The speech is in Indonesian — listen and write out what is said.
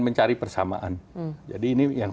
mencari persamaan jadi ini yang